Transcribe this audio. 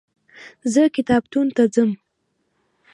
زه کتابتون ته ځم.